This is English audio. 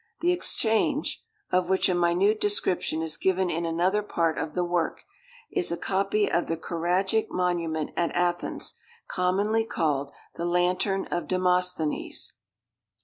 The Exchange (of which a minute description is given in another part of the work) is a copy of the choragic monument at Athens, commonly called the Lantern of Demosthenes.